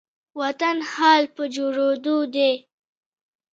وطن حال په جوړيدو دي